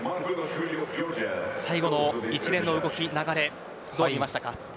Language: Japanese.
最後の一連の動き、流れどう見ましたか。